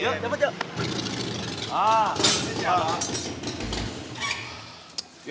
yuk cabut yuk